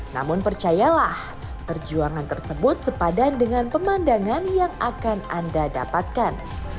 namun percayalah perjuangan tersebut sepadan dengan pemandangan yang akan anda dapatkan